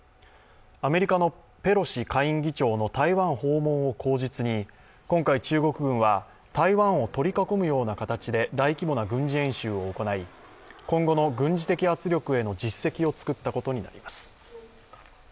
アメリカのペロシ下院議長の台湾訪問を口実に、今回、中国軍は台湾を取り囲むような形で大規模な軍事演習を行い今後の軍事的圧力への実績を作ったことになります。